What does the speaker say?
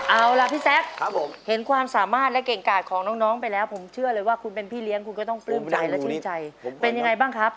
เอาล่ะพี่แซคเห็นความสามารถและเก่งกาดของน้องไปแล้วผมเชื่อเลยว่าคุณเป็นพี่เลี้ยงคุณก็ต้องปลื้มใจและชื่นใจเป็นยังไงบ้างครับ